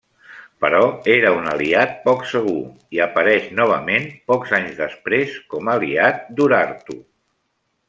Però era un aliat poc segur i apareix novament pocs anys després com aliat d'Urartu.